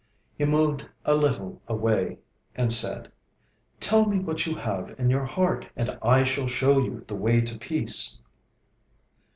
He moved a little away, and said: 'Tell me what you have in your heart, and I shall show you the way to peace.'